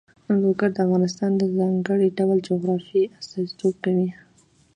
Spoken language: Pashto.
لوگر د افغانستان د ځانګړي ډول جغرافیه استازیتوب کوي.